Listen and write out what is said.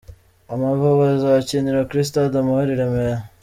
Amavubi azakinira kuri Stade Amahoro i Remera.